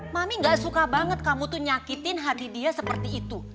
mami gak suka banget kamu tuh nyakitin hati dia seperti itu